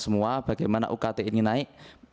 semua bagaimana ukt ini naik